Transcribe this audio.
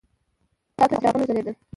تت څراغونه ځلېدل.